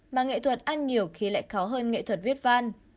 mà nghệ thuật ăn nhiều khi lại khó hơn nghệ thuật viết văn